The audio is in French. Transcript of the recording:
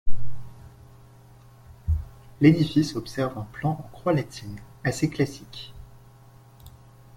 L'édifice observe un plan en croix latine, assez classique.